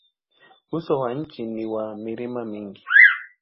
Uso wa nchi ni wa milima mingi.